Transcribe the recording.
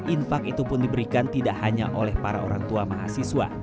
infak itu pun diberikan tidak hanya oleh para orang tua mahasiswa